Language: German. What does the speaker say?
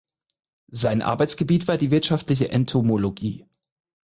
Sein Arbeitsgebiet war die wirtschaftliche Entomologie.